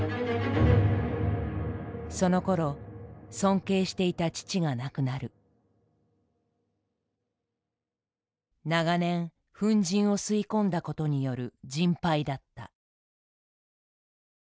そのころ尊敬していた長年粉じんを吸い込んだことによるじん肺だった。